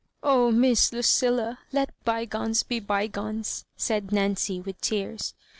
" Oh, Miss Lucilla, let bygones be bygones," said Nancy, with tears.